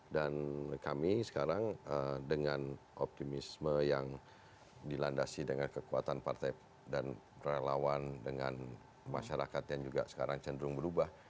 dan kami sekarang dengan optimisme yang dilandasi dengan kekuatan partai dan berlawan dengan masyarakat yang juga sekarang cenderung berubah